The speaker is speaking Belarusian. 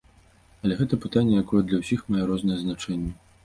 Але гэта пытанне, якое для ўсіх мае рознае значэнне.